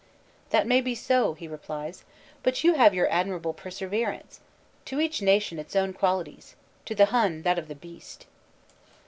"That may be so." he replies. "But you have your admir able perseverance. To each nation its own qualities. To the Hun that of the beast."